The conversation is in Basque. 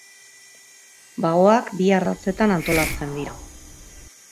Baoak bi ardatzetan antolatzen dira.